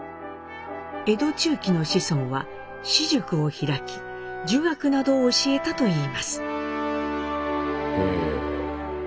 江戸中期の子孫は私塾を開き儒学などを教えたといいます。